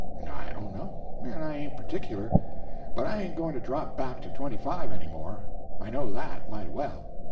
"I don't know, and I ain't particular. But I ain't going to drop back to twenty five any more—I know that, mighty well.